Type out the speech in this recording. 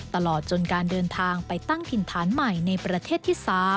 ตลอดจนการเดินทางไปตั้งถิ่นฐานใหม่ในประเทศที่๓